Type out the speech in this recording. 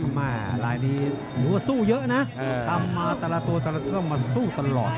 หรือว่าสู้เยอะนะทำมาตลอดมาสู้ตลอด